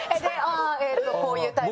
こういうタイプの。